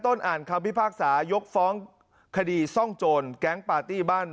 อ่านคำพิพากษายกฟ้องคดีซ่องโจรแก๊งปาร์ตี้บ้าน